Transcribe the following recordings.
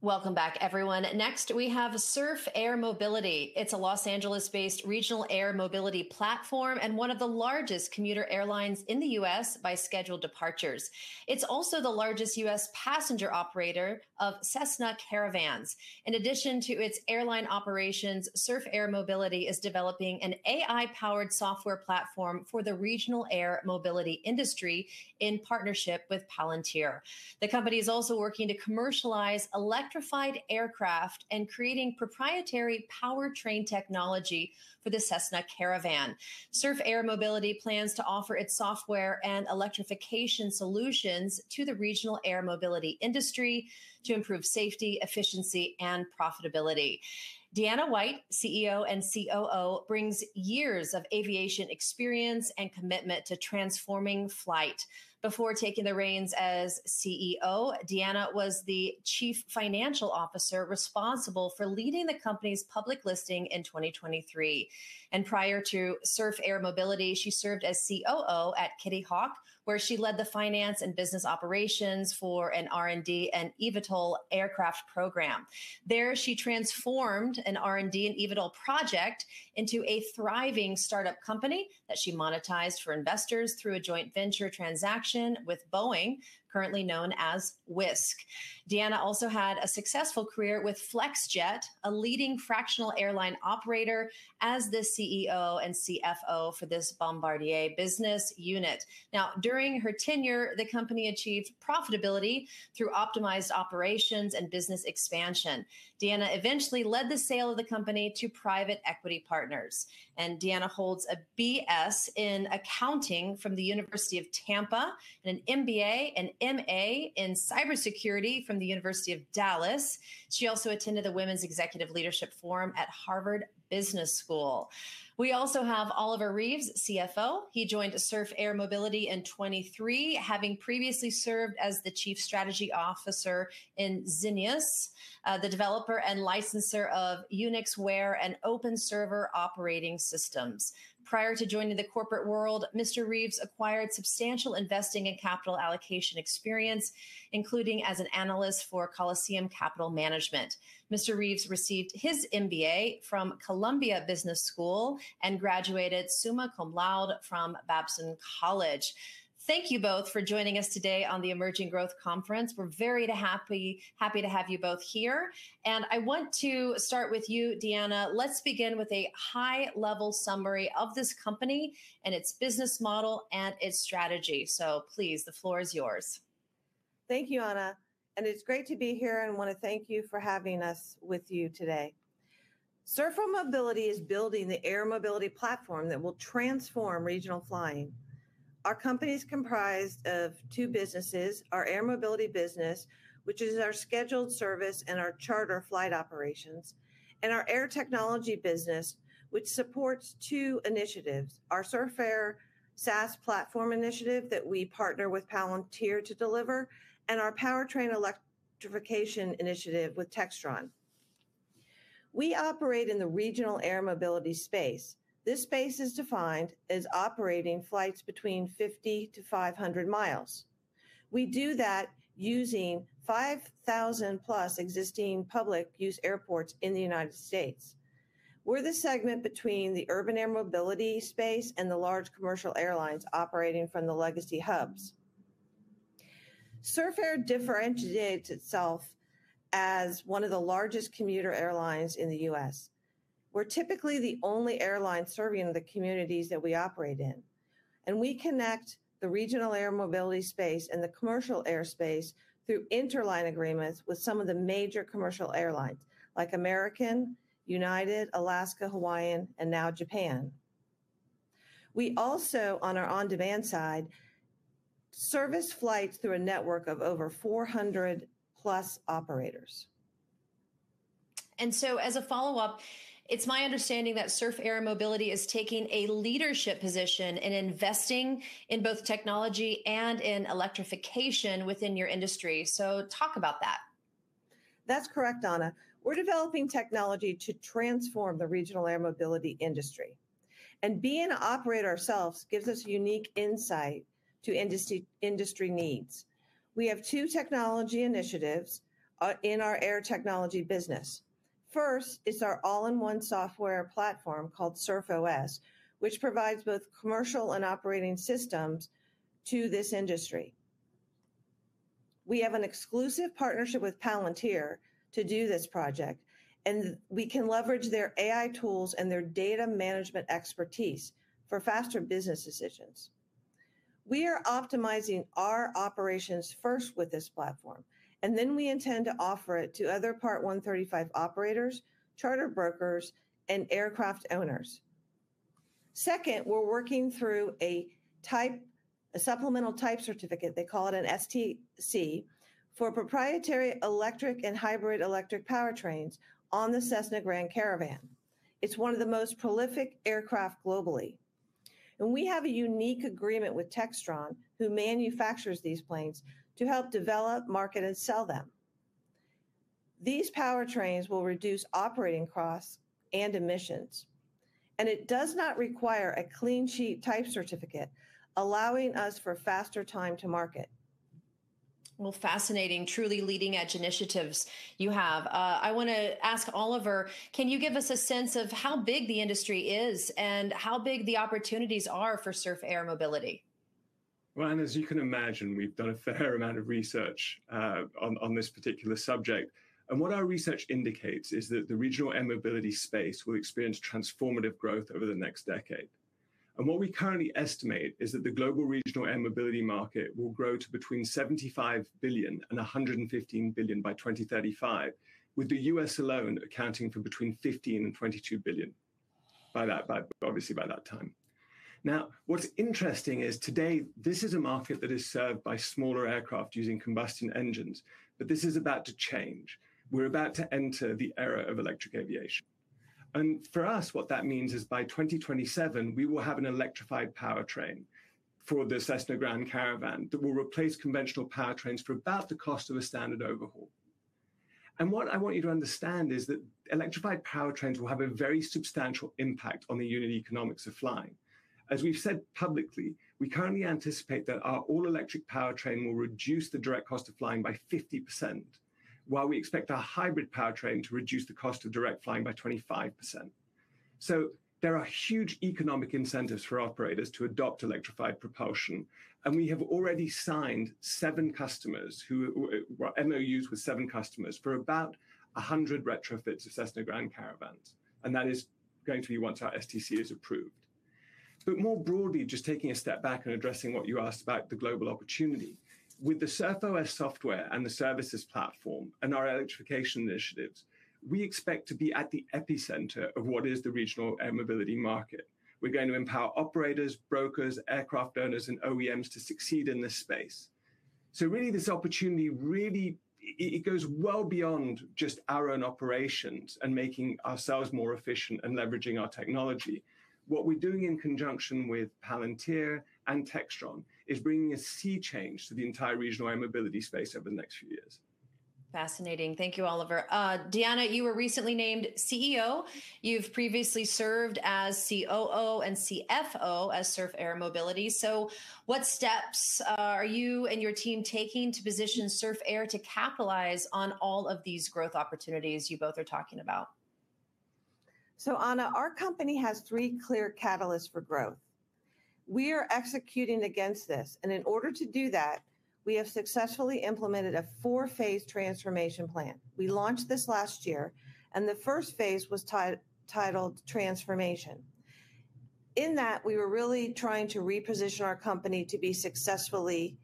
Welcome back, everyone. Next, we have Surf Air Mobility. It's a Los Angeles-based regional air mobility platform and one of the largest commuter airlines in the U.S. by scheduled departures. It's also the largest U.S. passenger operator of Cessna Caravans. In addition to its airline operations, Surf Air Mobility is developing an AI-powered software platform for the regional air mobility industry in partnership with Palantir. The company is also working to commercialize electrified aircraft and creating proprietary powertrain technology for the Cessna Grand Caravan. Surf Air Mobility plans to offer its software and electrification solutions to the regional air mobility industry to improve safety, efficiency, and profitability. Deanna White, CEO and COO, brings years of aviation experience and commitment to transforming flight. Before taking the reins as CEO, Deanna was the Chief Financial Officer responsible for leading the company's public listing in 2023. Prior to Surf Air Mobility, she served as COO at Kitty Hawk, where she led the finance and business operations for an R&D and eVTOL aircraft program. There, she transformed an R&D and eVTOL project into a thriving startup company that she monetized for investors through a joint venture transaction with Boeing, currently known as Wisk. Deanna also had a successful career with Flexjet, a leading fractional airline operator, as the CEO and CFO for this Bombardier business unit. During her tenure, the company achieved profitability through optimized operations and business expansion. Deanna eventually led the sale of the company to private equity partners. Deanna holds a BS in Accounting from the University of Tampa and an MBA and MA in Cybersecurity from the University of Dallas. She also attended the Women's Executive Leadership Forum at Harvard Business School. We also have Oliver Reeves, CFO. He joined Surf Air Mobility in 2023, having previously served as the Chief Strategy Officer in Xinuos, the developer and licenser of UnixWare and OpenServer operating systems. Prior to joining the corporate world, Mr. Reeves acquired substantial investing and capital allocation experience, including as an analyst for Coliseum Capital Management. Mr. Reeves received his MBA from Columbia Business School and graduated summa cum laude from Babson College. Thank you both for joining us today on the Emerging Growth Conference. We're very happy to have you both here. I want to start with you, Deanna. Let's begin with a high-level summary of this company and its business model and its strategy. Please, the floor is yours. Thank you, Ana. It's great to be here and want to thank you for having us with you today. Surf Air Mobility is building the air mobility platform that will transform regional flying. Our company is comprised of two businesses: our air mobility business, which is our scheduled service and our charter flight operations, and our air technology business, which supports two initiatives—our Surf Air SaaS platform initiative that we partner with Palantir Technologies to deliver, and our powertrain electrification initiative with Textron Aviation. We operate in the regional air mobility space. This space is defined as operating flights between 50-500 mi. We do that using 5,000+ existing public-use airports in the United States. We're the segment between the urban air mobility space and the large commercial airlines operating from the legacy hubs. Surf Air differentiates itself as one of the largest commuter airlines in the U.S. We're typically the only airline serving the communities that we operate in. We connect the regional air mobility space and the commercial airspace through interline agreements with some of the major commercial airlines, like American Airlines, United, Alaska, Hawaiian, and now Japan. We also, on our on-demand side, service flights through a network of over 400+ operators. As a follow-up, it's my understanding that Surf Air Mobility is taking a leadership position in investing in both technology and in electrification within your industry. Talk about that. That's correct, Ana. We're developing technology to transform the regional air mobility industry. Being an operator ourselves gives us unique insight to industry needs. We have two technology initiatives in our air technology business. First is our all-in-one software platform called SurfOS, which provides both commercial and operating systems to this industry. We have an exclusive partnership with Palantir to do this project, and we can leverage their AI-powered tools and their data management expertise for faster business decisions. We are optimizing our operations first with this platform, and we intend to offer it to other Part 135 operators, charter brokers, and aircraft owners. Second, we're working through a supplemental type certificate, they call it an STC, for proprietary electric and hybrid-electric powertrains on the Cessna Grand Caravan. It's one of the most prolific aircraft globally, and we have a unique agreement with Textron, who manufactures these planes, to help develop, market, and sell them. These powertrains will reduce operating costs and emissions, and it does not require a clean sheet type certificate, allowing us for faster time to market. Fascinating, truly leading-edge initiatives you have. I want to ask Oliver, can you give us a sense of how big the industry is and how big the opportunities are for Surf Air Mobility? As you can imagine, we've done a fair amount of research on this particular subject. What our research indicates is that the regional air mobility space will experience transformative growth over the next decade. What we currently estimate is that the global regional air mobility market will grow to between $75 billion and $115 billion by 2035, with the U.S. alone accounting for between $15 billion and $22 billion by that time. What's interesting is today, this is a market that is served by smaller aircraft using combustion engines. This is about to change. We're about to enter the era of electric aviation. For us, what that means is by 2027, we will have an electrified powertrain for the Cessna Grand Caravan that will replace conventional powertrains for about the cost of a standard overhaul. What I want you to understand is that electrified powertrains will have a very substantial impact on the unit economics of flying. As we've said publicly, we currently anticipate that our all-electric powertrain will reduce the direct cost of flying by 50%, while we expect our hybrid-electric powertrain to reduce the direct cost of flying by 25%. There are huge economic incentives for operators to adopt electrified propulsion. We have already signed MOUs with seven customers for about 100 retrofits of Cessna Grand Caravans. That is going to be once our STC is approved. More broadly, just taking a step back and addressing what you asked about the global opportunity, with the SurfOS software and the services platform and our electrification initiatives, we expect to be at the epicenter of what is the regional air mobility market. We're going to empower operators, brokers, aircraft owners, and OEMs to succeed in this space. This opportunity really goes well beyond just our own operations and making ourselves more efficient and leveraging our technology. What we're doing in conjunction with Palantir and Textron is bringing a sea change to the entire regional air mobility space over the next few years. Fascinating. Thank you, Oliver. Deanna, you were recently named CEO. You've previously served as COO and CFO at Surf Air Mobility. What steps are you and your team taking to position Surf Air to capitalize on all of these growth opportunities you both are talking about? Ana, our company has three clear catalysts for growth. We are executing against this, and in order to do that, we have successfully implemented a four-phase transformation plan. We launched this last year. The first phase was titled Transformation. In that, we were really trying to reposition our company to be successfully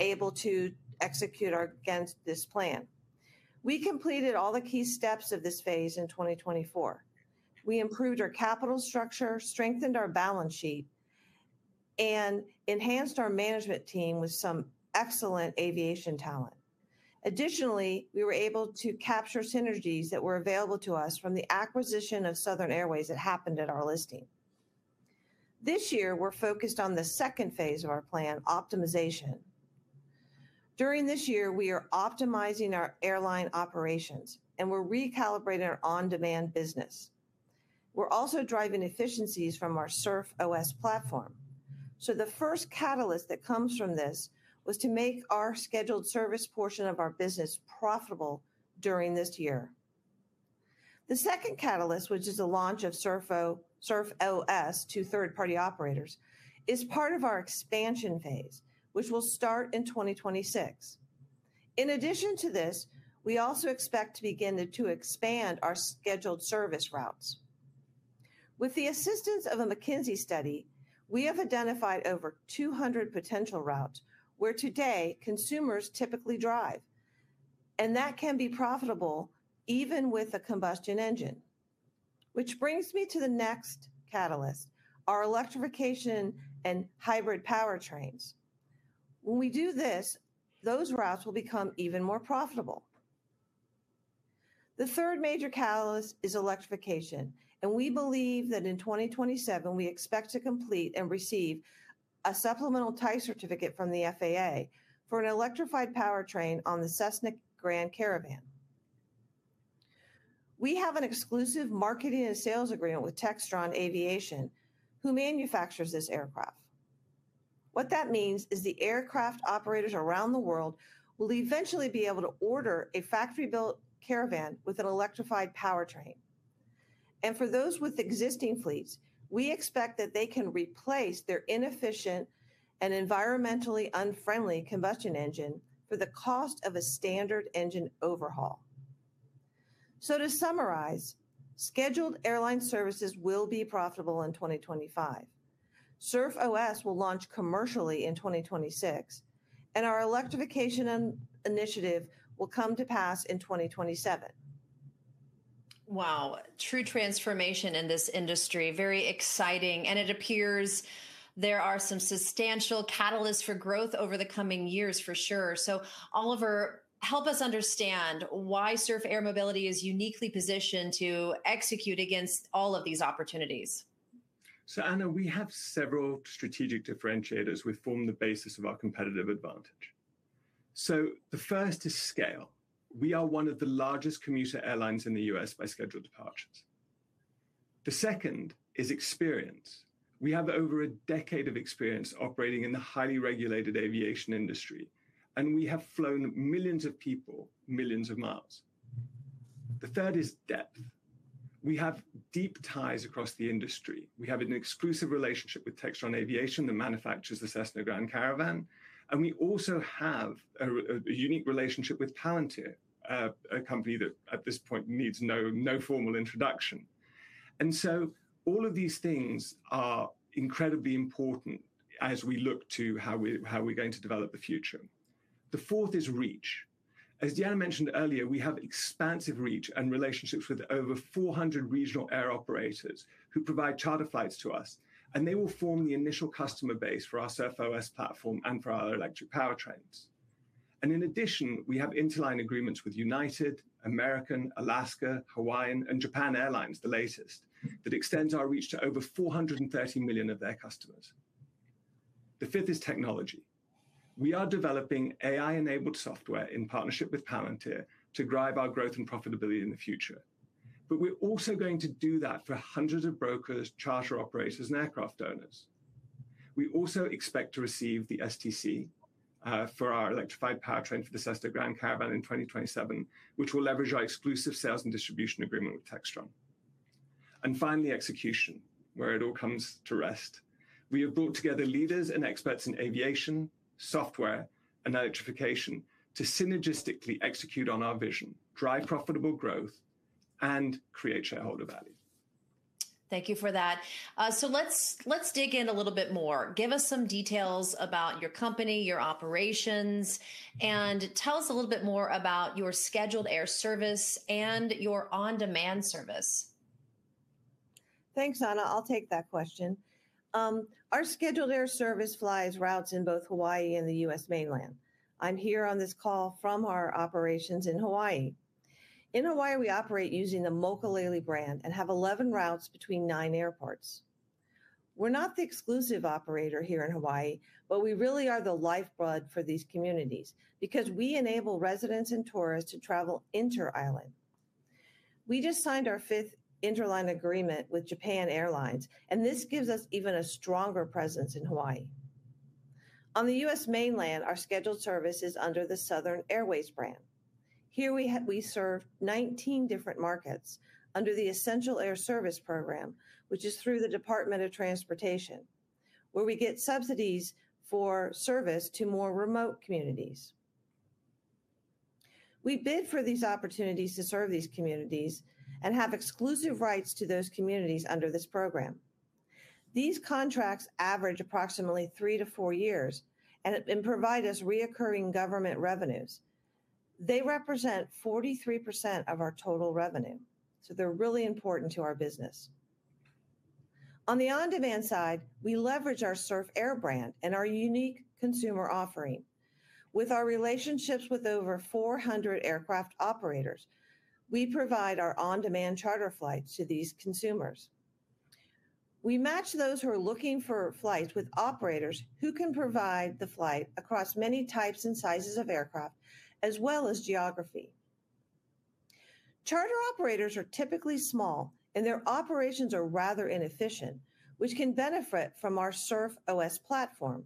able to execute against this plan. We completed all the key steps of this phase in 2024. We improved our capital structure, strengthened our balance sheet, and enhanced our management team with some excellent aviation talent. Additionally, we were able to capture synergies that were available to us from the acquisition of Southern Airways that happened at our listing. This year, we're focused on the second phase of our plan, Optimization. During this year, we are optimizing our airline operations, and we're recalibrating our on-demand business. We're also driving efficiencies from our SurfOS platform. The first catalyst that comes from this was to make our scheduled service portion of our business profitable during this year. The second catalyst, which is the launch of SurfOS to third-party operators, is part of our expansion phase, which will start in 2026. In addition to this, we also expect to begin to expand our scheduled service routes. With the assistance of a McKinsey study, we have identified over 200 potential routes where today consumers typically drive, and that can be profitable even with a combustion engine. This brings me to the next catalyst, our electrification and hybrid powertrains. When we do this, those routes will become even more profitable. The third major catalyst is electrification, and we believe that in 2027, we expect to complete and receive a supplemental type certificate from the FAA for an electrified powertrain on the Cessna Grand Caravan. We have an exclusive marketing and sales agreement with Textron Aviation, who manufactures this aircraft. What that means is the aircraft operators around the world will eventually be able to order a factory-built Caravan with an electrified powertrain. For those with existing fleets, we expect that they can replace their inefficient and environmentally unfriendly combustion engine for the cost of a standard engine overhaul. To summarize, scheduled airline services will be profitable in 2025. SurfOS will launch commercially in 2026, and our electrification initiative will come to pass in 2027. Wow, true transformation in this industry. Very exciting. It appears there are some substantial catalysts for growth over the coming years, for sure. Oliver, help us understand why Surf Air Mobility is uniquely positioned to execute against all of these opportunities. Ana, we have several strategic differentiators which form the basis of our competitive advantage. The first is scale. We are one of the largest commuter airlines in the U.S. by scheduled departures. The second is experience. We have over a decade of experience operating in the highly regulated aviation industry, and we have flown millions of people millions of miles. The third is depth. We have deep ties across the industry. We have an exclusive relationship with Textron Aviation, the manufacturer of the Cessna Grand Caravan. We also have a unique relationship with Palantir, a company that at this point needs no formal introduction. All of these things are incredibly important as we look to how we're going to develop the future. The fourth is reach. As Deanna mentioned earlier, we have expansive reach and relationships with over 400 regional air operators who provide charter flights to us, and they will form the initial customer base for our SurfOS platform and for our electric powertrains. In addition, we have interline agreements with United, American, Alaska, Hawaiian, and Japan, the latest, that extend our reach to over 430 million of their customers. The fifth is technology. We are developing AI-powered software in partnership with Palantir to drive our growth and profitability in the future. We're also going to do that for hundreds of brokers, charter operators, and aircraft owners. We also expect to receive the STC for our electrified powertrain for the Cessna Grand Caravan in 2027, which will leverage our exclusive sales and distribution agreement with Textron. Finally, execution, where it all comes to rest. We have brought together leaders and experts in aviation, software, and electrification to synergistically execute on our vision, drive profitable growth, and create shareholder value. Thank you for that. Let's dig in a little bit more. Give us some details about your company, your operations, and tell us a little bit more about your scheduled air service and your on-demand service. Thanks, Ana. I'll take that question. Our scheduled air service flies routes in both Hawaii and the U.S. mainland. I'm here on this call from our operations in Hawaii. In Hawaii, we operate using the Mokulele brand and have 11 routes between nine airports. We're not the exclusive operator here in Hawaii, but we really are the lifeblood for these communities because we enable residents and tourists to travel inter-island. We just signed our fifth interline agreement with Japan Airlines, and this gives us even a stronger presence in Hawaii. On the U.S. mainland, our scheduled service is under the Southern Airways brand. Here, we serve 19 different markets under the Essential Air Service Program, which is through the Department of Transportation, where we get subsidies for service to more remote communities. We bid for these opportunities to serve these communities and have exclusive rights to those communities under this program. These contracts average approximately three to four years and provide us recurring government revenues. They represent 43% of our total revenue, so they're really important to our business. On the on-demand side, we leverage our Surf Air brand and our unique consumer offering. With our relationships with over 400 aircraft operators, we provide our on-demand charter flights to these consumers. We match those who are looking for flights with operators who can provide the flight across many types and sizes of aircraft, as well as geography. Charter operators are typically small, and their operations are rather inefficient, which can benefit from our SurfOS platform.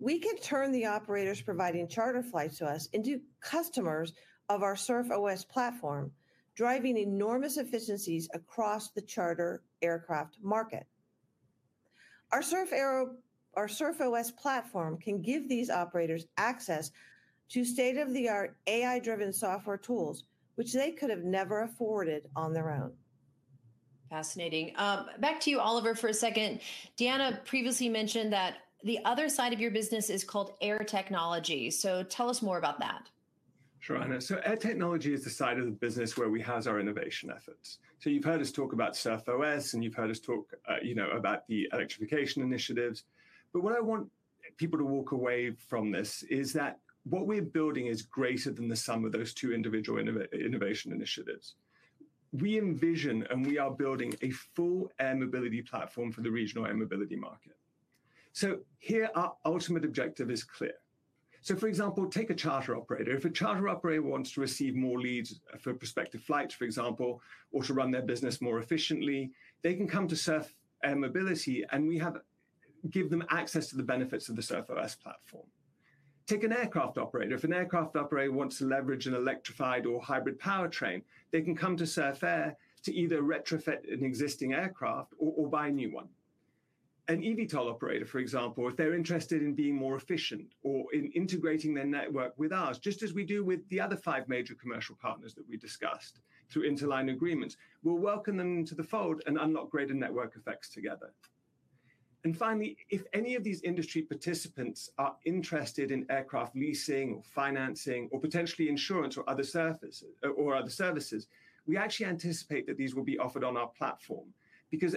We can turn the operators providing charter flights to us into customers of our SurfOS platform, driving enormous efficiencies across the charter aircraft market. Our SurfOS platform can give these operators access to state-of-the-art AI-powered software tools, which they could have never afforded on their own. Fascinating. Back to you, Oliver, for a second. Deanna previously mentioned that the other side of your business is called Air Technology. Tell us more about that. Sure, Ana. Air technology is the side of the business where we house our innovation efforts. You've heard us talk about SurfOS, and you've heard us talk about the electrification initiatives. What I want people to walk away from this is that what we're building is greater than the sum of those two individual innovation initiatives. We envision and we are building a full air mobility platform for the regional air mobility market. Here, our ultimate objective is clear. For example, take a charter operator. If a charter operator wants to receive more leads for prospective flights, for example, or to run their business more efficiently, they can come to Surf Air Mobility, and we give them access to the benefits of the SurfOS platform. Take an aircraft operator. If an aircraft operator wants to leverage an electrified or hybrid-electric powertrain, they can come to Surf Air to either retrofit an existing aircraft or buy a new one. An eVTOL operator, for example, if they're interested in being more efficient or in integrating their network with us, just as we do with the other five major commercial partners that we discussed through interline agreements, we'll welcome them to the fold and unlock greater network effects together. Finally, if any of these industry participants are interested in aircraft leasing or financing or potentially insurance or other services, we actually anticipate that these will be offered on our platform.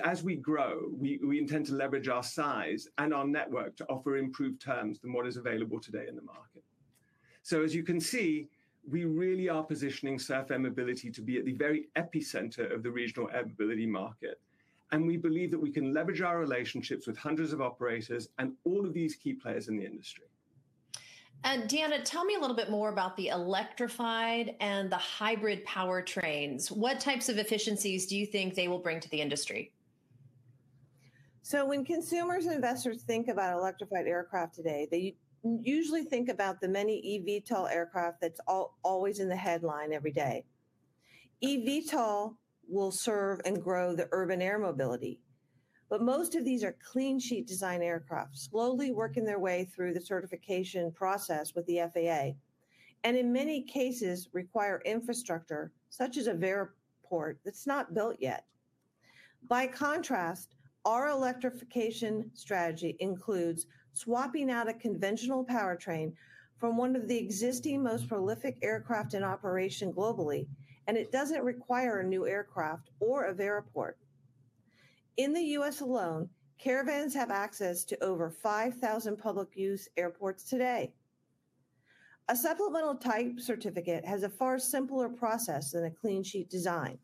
As we grow, we intend to leverage our size and our network to offer improved terms than what is available today in the market. As you can see, we really are positioning Surf Air Mobility to be at the very epicenter of the regional air mobility market. We believe that we can leverage our relationships with hundreds of operators and all of these key players in the industry. Deanna, tell me a little bit more about the electrified and the hybrid-electric powertrains. What types of efficiencies do you think they will bring to the industry? When consumers and investors think about electrified aircraft today, they usually think about the many eVTOL aircraft that's always in the headline every day. eVTOL will serve and grow the urban air mobility. Most of these are clean sheet design aircraft, slowly working their way through the certification process with the FAA, and in many cases require infrastructure, such as a vertiport that's not built yet. By contrast, our electrification strategy includes swapping out a conventional powertrain from one of the existing most prolific aircraft in operation globally. It doesn't require a new aircraft or a vertiport. In the U.S. alone, Caravans have access to over 5,000 public-use airports today. A supplemental type certificate has a far simpler process than a clean sheet design.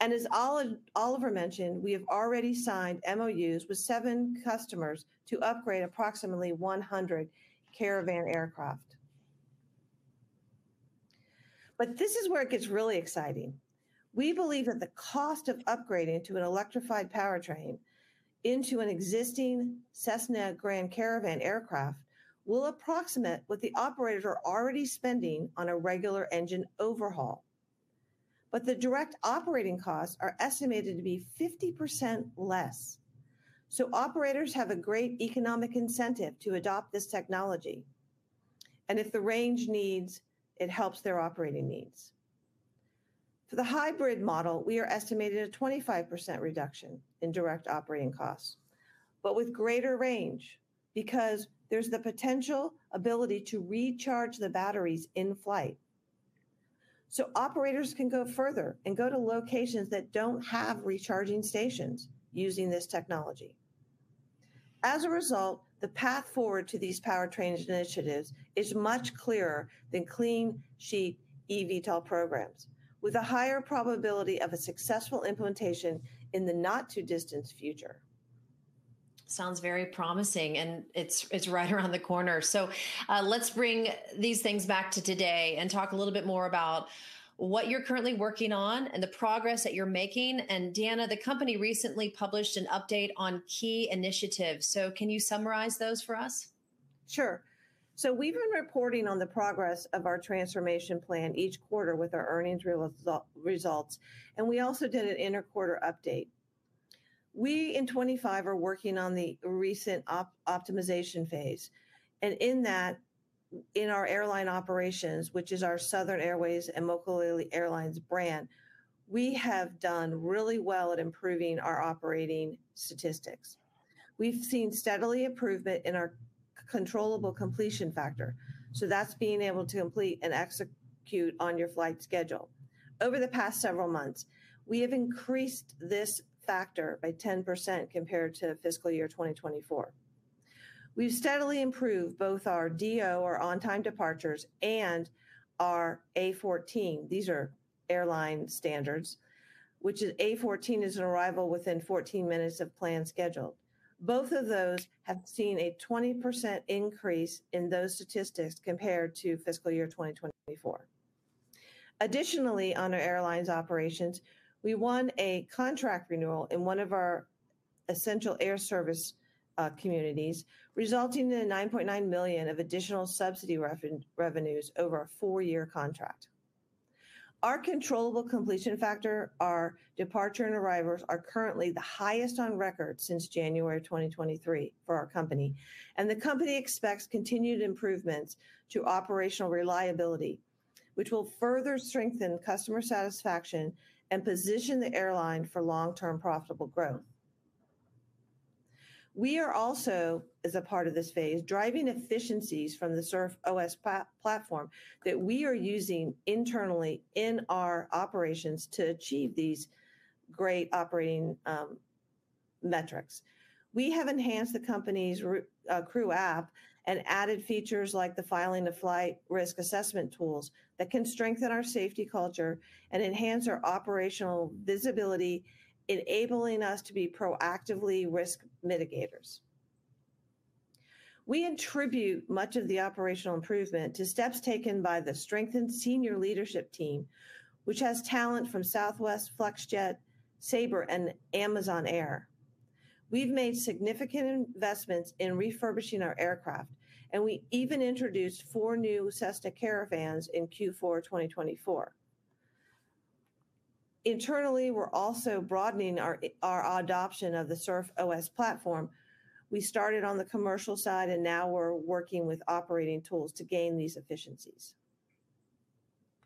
As Oliver mentioned, we have already signed MOUs with seven customers to upgrade approximately 100 Caravan aircraft. This is where it gets really exciting. We believe that the cost of upgrading to an electrified powertrain into an existing Cessna Grand Caravan aircraft will approximate what the operators are already spending on a regular engine overhaul. The direct operating costs are estimated to be 50% less. Operators have a great economic incentive to adopt this technology if the range needs, it helps their operating needs. For the hybrid model, we are estimating a 25% reduction in direct operating costs, but with greater range because there's the potential ability to recharge the batteries in flight. Operators can go further and go to locations that don't have recharging stations using this technology. As a result, the path forward to these powertrain initiatives is much clearer than clean sheet eVTOL programs, with a higher probability of a successful implementation in the not-too-distant future. Sounds very promising. It's right around the corner. Let's bring these things back to today and talk a little bit more about what you're currently working on and the progress that you're making. Deanna, the company recently published an update on key initiatives. Can you summarize those for us? Sure. We've been reporting on the progress of our transformation plan each quarter with our earnings results. We also did an interquarter update. In 2025, we are working on the recent optimization phase. In our airline operations, which is our Southern Airways and Mokulele Airlines brand, we have done really well at improving our operating statistics. We've seen steady improvement in our controllable completion factor. That's being able to complete and execute on your flight schedule. Over the past several months, we have increased this factor by 10% compared to fiscal year 2024. We've steadily improved both our DO, or on-time departures, and our A14. These are airline standards, with A14 being an arrival within 14 minutes of planned schedule. Both of those have seen a 20% increase in those statistics compared to fiscal year 2024. Additionally, on our airline operations, we won a contract renewal in one of our essential air service communities, resulting in $9.9 million of additional subsidy revenues over a four-year contract. Our controllable completion factor, our departure and arrivals, are currently the highest on record since January 2023 for our company. The company expects continued improvements to operational reliability, which will further strengthen customer satisfaction and position the airline for long-term profitable growth. We are also, as a part of this phase, driving efficiencies from the SurfOS platform that we are using internally in our operations to achieve these great operating metrics. We have enhanced the company's CrewApp and added features like the filing of flight risk assessment tools that can strengthen our safety culture and enhance our operational visibility, enabling us to be proactively risk mitigators. We attribute much of the operational improvement to steps taken by the strengthened senior leadership team, which has talent from Southwest, Flexjet, Sabre, and Amazon Air. We've made significant investments in refurbishing our aircraft, and we even introduced four new Cessna Grand Caravans in Q4 2024. Internally, we're also broadening our adoption of the SurfOS platform. We started on the commercial side, and now we're working with operating tools to gain these efficiencies.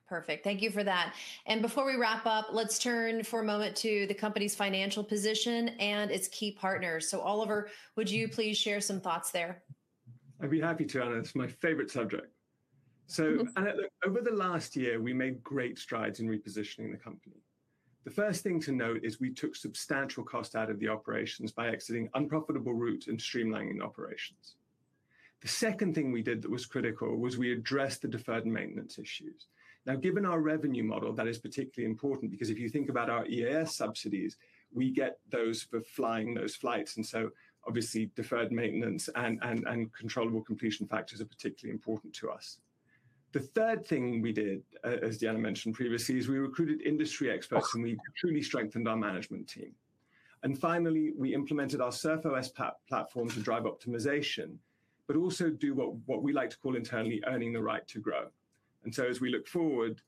Perfect. Thank you for that. Before we wrap up, let's turn for a moment to the company's financial position and its key partners. Oliver, would you please share some thoughts there? I'd be happy to, Ana. It's my favorite subject. So, Ana, look, over the last year, we made great strides in repositioning the company. The first thing to note is we took substantial costs out of the operations by exiting unprofitable routes and streamlining operations. The second thing we did that was critical was we addressed the deferred maintenance issues. Now, given our revenue model, that is particularly important because if you think about our EAS subsidies, we get those for flying those flights. Obviously, deferred maintenance and controllable completion factors are particularly important to us. The third thing we did, as Deanna mentioned previously, is we recruited industry experts, and we truly strengthened our management team. Finally, we implemented our SurfOS platform to drive optimization, but also do what we like to call internally earning the right to grow. As we look forward,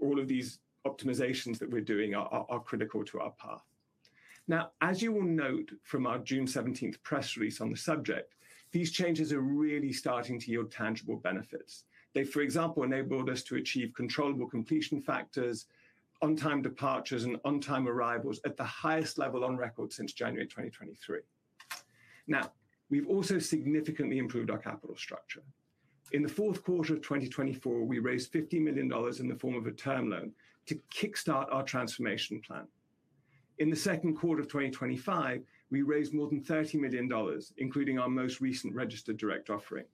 all of these optimizations that we're doing are critical to our path. Now, as you will note from our June 17 press release on the subject, these changes are really starting to yield tangible benefits. They, for example, enabled us to achieve controllable completion factors, on-time departures, and on-time arrivals at the highest level on record since January 2023. We've also significantly improved our capital structure. In the fourth quarter of 2024, we raised $50 million in the form of a term loan to kickstart our transformation plan. In the second quarter of 2025, we raised more than $30 million, including our most recent registered direct offering.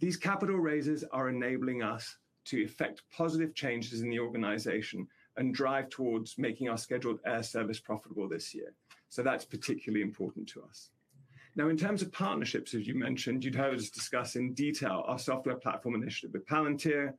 These capital raises are enabling us to effect positive changes in the organization and drive towards making our scheduled air service profitable this year. That's particularly important to us. In terms of partnerships, as you mentioned, you'd heard us discuss in detail our software platform initiative with Palantir Technologies.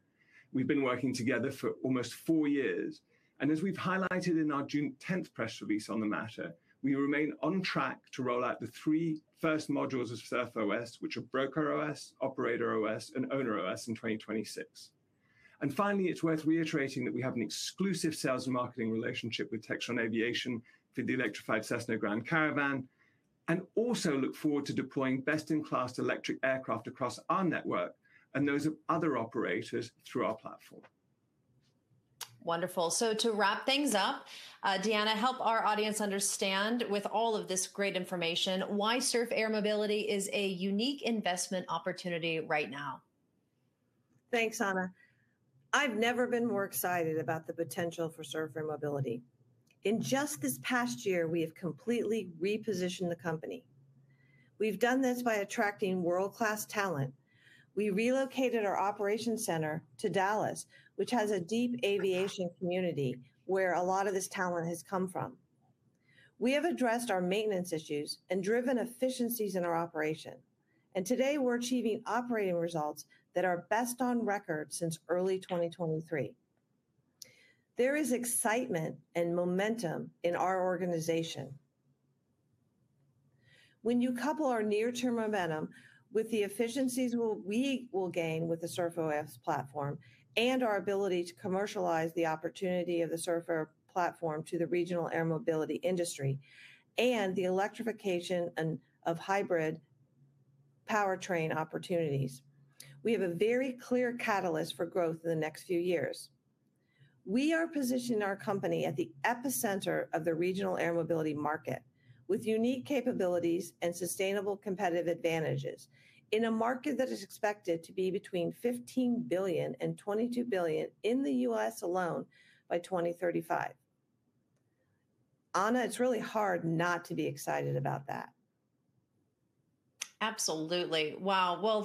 We've been working together for almost four years. As we've highlighted in our June 10 press release on the matter, we remain on track to roll out the three first modules of SurfOS, which are BrokerOS, OperatorOS, and OwnerOS in 2026. Finally, it's worth reiterating that we have an exclusive sales and marketing relationship with Textron Aviation for the electrified Cessna Grand Caravan and also look forward to deploying best-in-class electric aircraft across our network and those of other operators through our platform. Wonderful. To wrap things up, Deanna, help our audience understand with all of this great information why Surf Air Mobility is a unique investment opportunity right now. Thanks, Ana. I've never been more excited about the potential for Surf Air Mobility. In just this past year, we have completely repositioned the company. We've done this by attracting world-class talent. We relocated our operations center to Dallas, which has a deep aviation community where a lot of this talent has come from. We have addressed our maintenance issues and driven efficiencies in our operation. Today, we're achieving operating results that are best on record since early 2023. There is excitement and momentum in our organization. When you couple our near-term momentum with the efficiencies we will gain with the SurfOS platform and our ability to commercialize the opportunity of the SurfOS platform to the regional air mobility industry and the electrification of hybrid powertrain opportunities, we have a very clear catalyst for growth in the next few years. We are positioning our company at the epicenter of the regional air mobility market with unique capabilities and sustainable competitive advantages in a market that is expected to be between $15 billion and $22 billion in the U.S. alone by 2035. Ana, it's really hard not to be excited about that. Absolutely.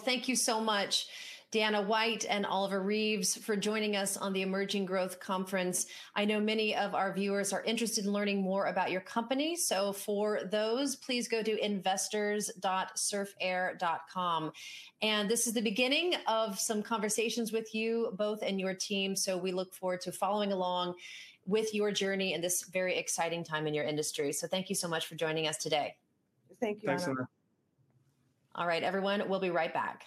Thank you so much, Deanna White and Oliver Reeves, for joining us on the Emerging Growth Conference. I know many of our viewers are interested in learning more about your company. For those, please go to investors.surfair.com. This is the beginning of some conversations with you both and your team. We look forward to following along with your journey in this very exciting time in your industry. Thank you so much for joining us today. Thank you. Thanks, Ana. All right, everyone, we'll be right back.